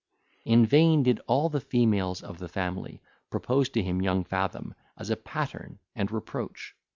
In vain did all the females of the family propose to him young Fathom, as a pattern and reproach.